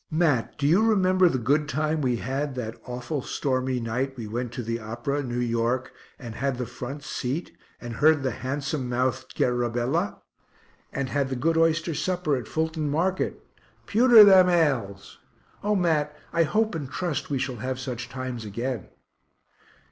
Mat, do you remember the good time we had that awful stormy night we went to the Opera, New York, and had the front seat, and heard the handsome mouthed Guerrabella? and had the good oyster supper at Fulton market ("pewter them ales.") O Mat, I hope and trust we shall have such times again.